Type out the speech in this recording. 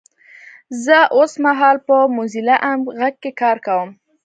زه اوسمهال په موځیلا عام غږ کې کار کوم 😊!